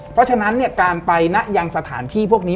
เพราะฉะนั้นการไปนะยังสถานที่พวกนี้